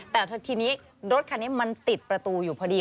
แต่ทีนี้รถคันนี้มันติดประตูอยู่พอดี